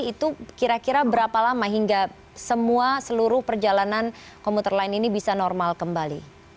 itu kira kira berapa lama hingga semua seluruh perjalanan komuter lain ini bisa normal kembali